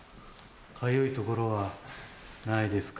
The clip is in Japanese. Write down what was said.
かゆい所はないですか？